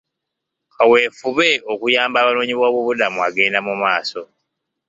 Kaweefube okuyamba abanoonyi b'obubuddamu agenda maaso.